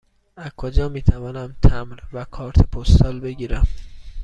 از کجا می توانم تمبر و کارت پستال بگیرم؟